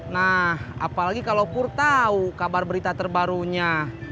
nah apalagi kalau kur tahu kabar berita terbarunya